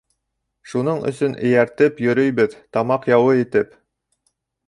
Шуның өсөн эйәртеп йөрөйбөҙ, тамаҡ яуы итеп.